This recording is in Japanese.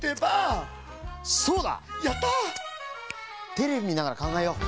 テレビみながらかんがえよう。